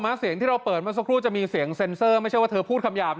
เสียงที่เราเปิดเมื่อสักครู่จะมีเสียงเซ็นเซอร์ไม่ใช่ว่าเธอพูดคำหยาบ